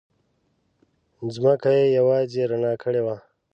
ځمکه یې یوازې رڼا کړې وه.